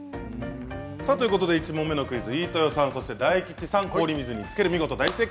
さあということで１問目のクイズ飯豊さんそして大吉さん氷水につける見事大正解。